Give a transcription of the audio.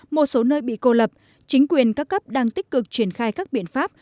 một số nơi bị cô lập chính quyền các cấp đang tích cực triển khai các biện pháp